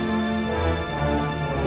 kamu tenang saja ya